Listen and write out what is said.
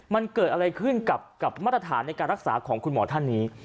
มันเกิดอะไรขึ้นกับมาตรฐานในการรักษาของคุณหมอท่านนี้